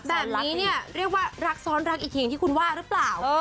แบบนี้เนี่ยเรียกว่ารักซ้อนรักอีกทีที่คุณว่าหรือเปล่า